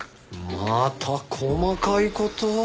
また細かい事を。